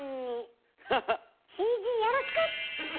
ＣＧよろしく！